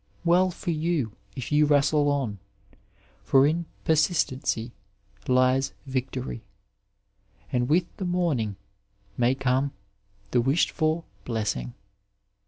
Well for you, if you wrestle on, for in persistency lies victory, and with the morning may come the wished for blessing.